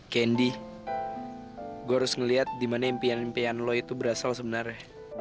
kendi gue harus ngeliat dimana impian impian lo itu berasal sebenarnya